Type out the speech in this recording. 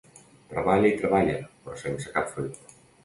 Treballa i treballa, però sense cap fruit.